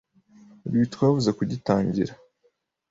Luis twavuze tugitangira,